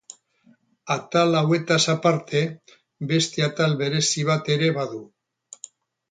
Atal hauetaz aparte beste atal berezi bat ere badu.